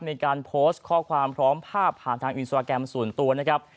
มีการโพสต์ข้อความพร้อมภาพผ่านทางอินสตราแกรมส่วนตัวนะครับ